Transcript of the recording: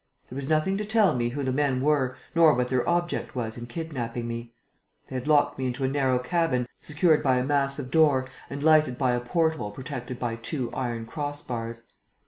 There was nothing to tell me who the men were nor what their object was in kidnapping me. They had locked me into a narrow cabin, secured by a massive door and lighted by a port hole protected by two iron cross bars.